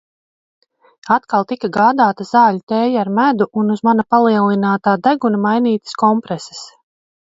Atkal tika gādāta zāļu tēja ar medu un uz mana palielinātā deguna mainītas kompreses.